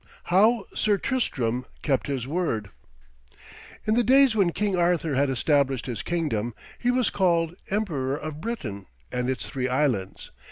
V HOW SIR TRISTRAM KEPT HIS WORD In the days when King Arthur had established his kingdom, he was called Emperor of Britain and its three islands.